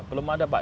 belum ada pak